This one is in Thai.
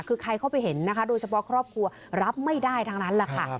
คือใครเข้าไปเห็นนะคะโดยเฉพาะครอบครัวรับไม่ได้ทั้งนั้นแหละค่ะ